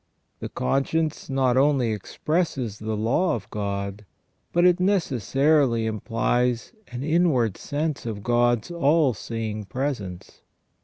The conscience not only expresses the law of God, but it necessarily implies an inward sense of God's all seeing presence.